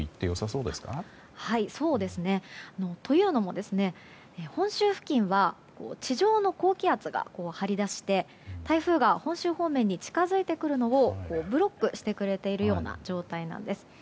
そうですね。というのも、本州付近は地上の高気圧が張り出して台風が本州方面に近づいてくるのをブロックしてくれているような状況なんです。